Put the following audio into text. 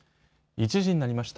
１時になりました。